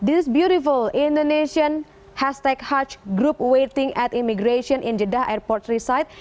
ini indonesia yang indonesia